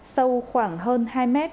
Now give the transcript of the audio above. sâu khoảng hơn hai m